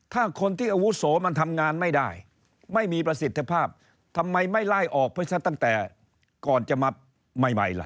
ถ้าคนที่อาวุโสมันทำงานไม่ได้ไม่มีประสิทธิภาพทำไมไม่ไล่ออกไปซะตั้งแต่ก่อนจะมาใหม่ล่ะ